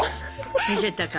見せたか。